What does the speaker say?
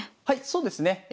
はいそうですね。